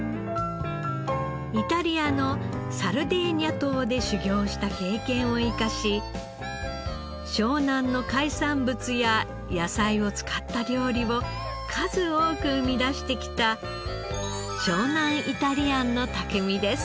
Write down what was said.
イタリアのサルデーニャ島で修業した経験を生かし湘南の海産物や野菜を使った料理を数多く生み出してきた湘南イタリアンの匠です。